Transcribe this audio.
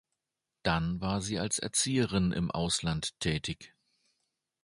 Dann war sie als Erzieherin im Ausland tätig.